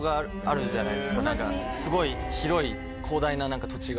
すごい広い広大な土地が。